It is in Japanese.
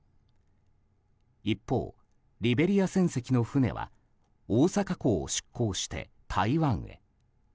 一方、リベリア船籍の船は大阪港を出港して台湾へ。